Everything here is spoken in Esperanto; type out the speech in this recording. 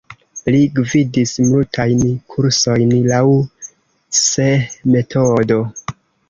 Li gvidis multajn kursojn laŭ Cseh-metodo.